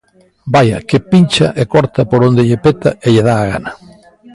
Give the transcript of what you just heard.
¡Vaia!, que pincha e corta por onde lle peta e lle dá a gana.